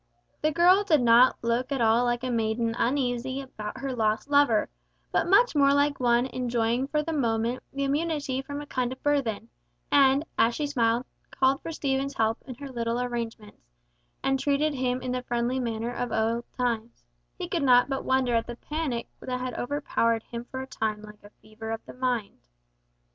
The girl did not look at all like a maiden uneasy about her lost lover, but much more like one enjoying for the moment the immunity from a kind of burthen; and, as she smiled, called for Stephen's help in her little arrangements, and treated him in the friendly manner of old times, he could not but wonder at the panic that had overpowered him for a time like a fever of the mind.